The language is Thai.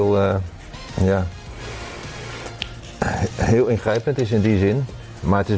ผมคิดสิเก็บสนใจหวานตอนนี้น่ะนะครับ